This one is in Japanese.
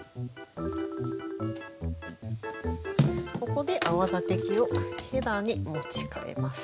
ここで泡立て器をへらに持ち替えます。